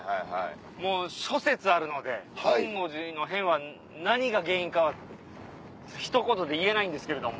もう諸説あるので本能寺の変は何が原因かはひと言で言えないんですけれども。